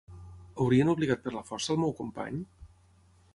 Haurien obligat per la força el meu company?